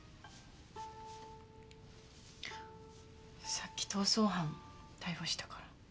さっき逃走犯逮捕したから。